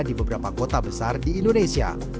di beberapa kota besar di indonesia